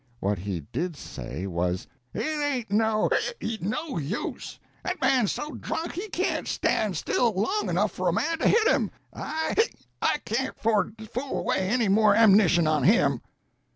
What he did say was: "It ain't no (hic!) no use. 'At man's so drunk he can't stan' still long enough for a man to hit him. I (hic!) I can't 'ford to fool away any more am'nition on him!"